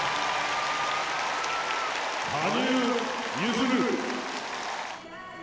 羽生結弦。